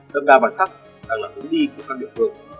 đậm đà bản sắc đặc là thống đi của các địa phương